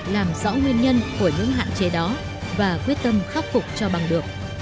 làm rõ nguyên nhân của những hạn chế đó và quyết tâm khắc phục cho bằng được